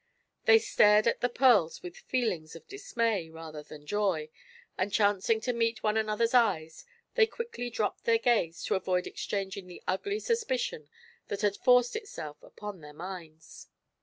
They stared at the pearls with feelings of dismay, rather than joy, and chancing to meet one another's eyes they quickly dropped their gaze to avoid exchanging the ugly suspicion that had forced itself upon their minds.